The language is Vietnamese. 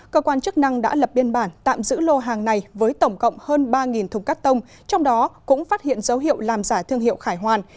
cơ quan chức năng đã lập biên bản tạm giữ lô hàng này với tổng cộng hơn ba thùng cắt tông trong đó cũng phát hiện dấu hiệu làm giả thương hiệu khải hoàn